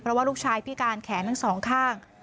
เพราะว่าลูกชายพิการแขนทั้งสองข้าง